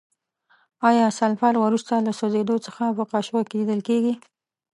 آیا سلفر وروسته له سوځیدو څخه په قاشوغه کې لیدل کیږي؟